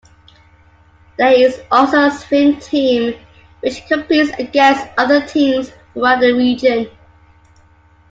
There is also a swim team which competes against other teams throughout the region.